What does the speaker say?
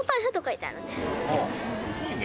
すごいね。